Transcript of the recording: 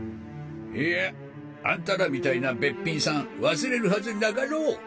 いやあんたらみたいなべっぴんさん忘れるはずなかろう！